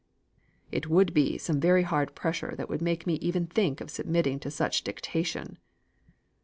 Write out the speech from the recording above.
"It would be some very hard pressure that would make me even think of submitting to such dictation."